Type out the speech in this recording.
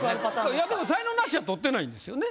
いやでも才能ナシは取ってないんですよね。